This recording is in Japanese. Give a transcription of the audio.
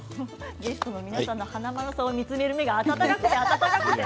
ゲストの皆さんの華丸さんを見つめる目が温かくて。